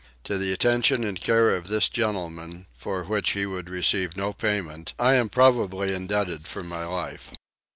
To the attention and care of this gentleman, for which he would receive no payment, I am probably indebted for my life.